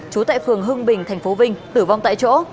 trú tại phường hưng bình tp vinh tử vong tại chỗ